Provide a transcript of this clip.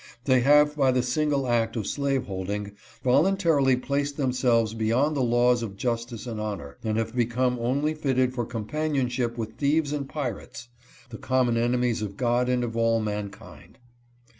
They have by the single act of slaveholding voluntarily placed themselves beyond the laws of justice and honor, and have become only fitted for companionship with thieves and pirates — the common enemies of God and of all mankind.